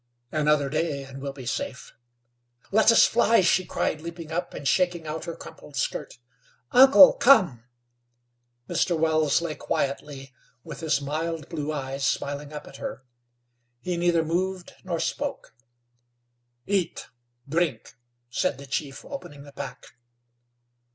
"Another day, and we'll be safe." "Let us fly," she cried, leaping up and shaking out her crumpled skirt. "Uncle, come!" Mr. Wells lay quietly with his mild blue eyes smiling up at her. He neither moved nor spoke. "Eat, drink," said the chief, opening the pack.